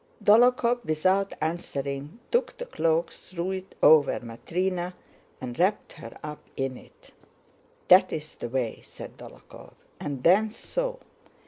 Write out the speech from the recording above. Dólokhov, without answering, took the cloak, threw it over Matrëna, and wrapped her up in it. "That's the way," said Dólokhov, "and then so!"